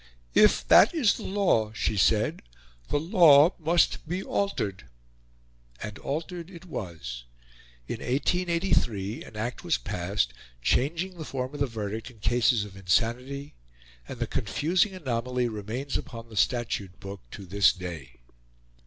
"If that is the law," she said, "the law must be altered:" and altered it was. In 1883 an Act was passed changing the form of the verdict in cases of insanity, and the confusing anomaly remains upon the Statute Book to this day.